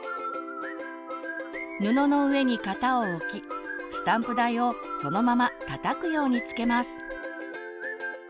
布の上に型を置きスタンプ台をそのままたたくようにつけます。